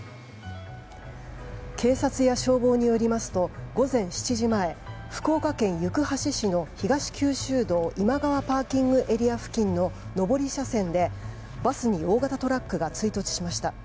警察や消防によりますと午前７時前福岡県行橋市の東九州道今川ＰＡ付近の上り車線でバスに大型トラックが追突しました。